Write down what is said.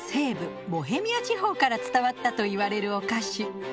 ボヘミア地方から伝わったといわれるお菓子。